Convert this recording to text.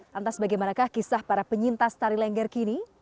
lantas bagaimanakah kisah para penyintas tari lengger kini